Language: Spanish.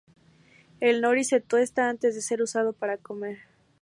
El nori se tuesta antes de ser usado para comer.